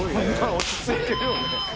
落ち着いてるよね。